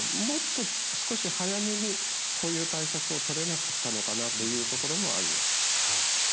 もっと少し早めにこういう対策を取れなかったのかなというところもあります。